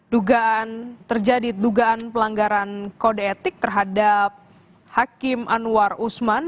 dugaan terjadi dugaan pelanggaran kode etik terhadap hakim anwar usman